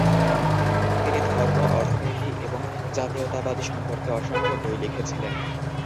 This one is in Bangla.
তিনি ধর্ম, অর্থনীতি এবং জাতীয়তাবাদ সম্পর্কে অসংখ্য বই লিখেছিলেন।